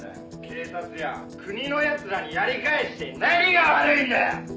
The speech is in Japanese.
「警察や国の奴らにやり返して何が悪いんだよ！」